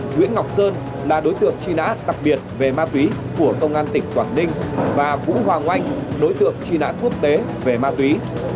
nguyễn ngọc sơn là đối tượng chuyên án đặc biệt về ma túy của công an tỉnh quảng ninh và vũ hoàng oanh đối tượng chuyên án quốc tế về ma túy